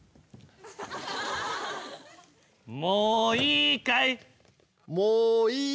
もういいかい？